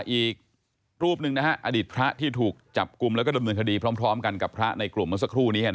อีกรูปหนึ่งอดีตพระที่ถูกจับกลุ่มแล้วก็ดำเนินคดีพร้อมกันกับพระในกลุ่มเมื่อสักครู่นี้